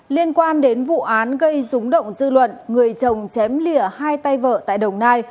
liên quan đến vụ án gây rúng động dư luận người chồng chém lìa hai tay vợ tại đồng nai